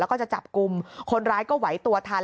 แล้วก็จะจับกลุ่มคนร้ายก็ไหวตัวทัน